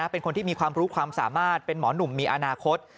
เป็นคนที่มีความรู้ความสามารถเป็นหมอหนุ่มมีอนาคต